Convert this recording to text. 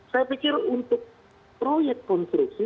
saya pikir untuk proyek konstruksi